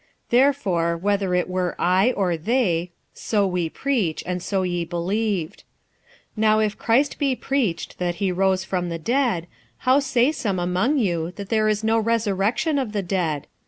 46:015:011 Therefore whether it were I or they, so we preach, and so ye believed. 46:015:012 Now if Christ be preached that he rose from the dead, how say some among you that there is no resurrection of the dead?